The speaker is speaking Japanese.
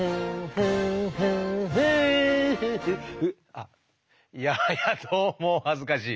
あっいやはやどうもお恥ずかしい。